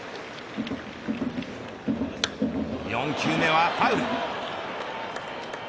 ４球目はファウル。